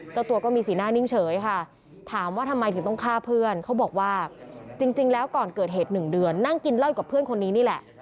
เจ้าตัวก็มีสีหน้านิ่งเฉยค่ะถามว่าทำไมถึงต้องฆ่าเพื่อนเขาบอกว่าจริงแล้วก่อนเกิดเหตุ๑เดือนนั่งกินเหล้ากับเพื่อนคนนี้นี่แหละ